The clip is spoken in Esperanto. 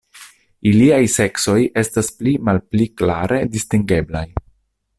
Iliaj seksoj estas pli malpli klare distingeblaj.